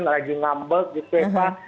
lagi ngambek gitu ya pak